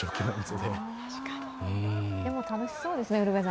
でも楽しそうですね。